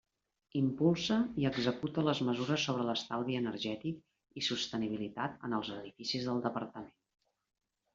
Impulsa i executa les mesures sobre l'estalvi energètic i sostenibilitat en els edificis del Departament.